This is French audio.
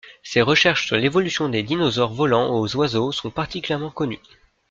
Ses recherches sur l’évolution des dinosaures volants aux oiseaux sont particulièrement connues.